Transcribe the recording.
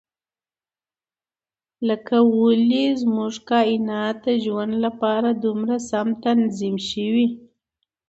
لکه ولې زموږ کاینات د ژوند لپاره دومره سم تنظیم شوي.